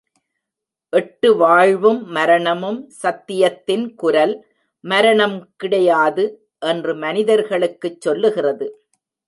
எட்டு வாழ்வும் மரணமும் சத்தியத்தின் குரல், மரணம் கிடையாது! என்று மனிதர்களுக்குச் சொல்லுகிறது.